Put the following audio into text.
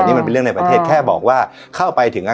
นี่มันเป็นเรื่องในประเทศแค่บอกว่าเข้าไปถึง